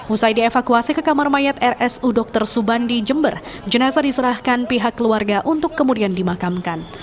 usai dievakuasi ke kamar mayat rsu dr subandi jember jenazah diserahkan pihak keluarga untuk kemudian dimakamkan